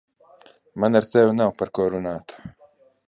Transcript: Man ar tevi nav par ko runāt.